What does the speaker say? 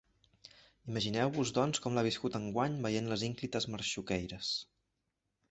Imagineu-vos doncs com l’ha viscut enguany veient les ínclites Marxuqueiras.